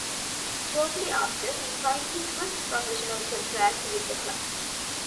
Shortly after, he signed his first professional contract with the club.